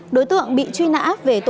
đối tượng bị truy nã về tổng hợp